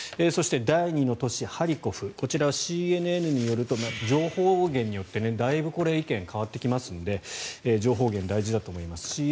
そして、第２の都市ハリコフこちら、ＣＮＮによると情報源によってだいぶ意見が変わってきますので情報源、大事だと思います。